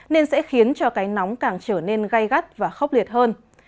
nên sẽ khiến cho cái nóng càng trở nên gây gắt và khốc liệt hơn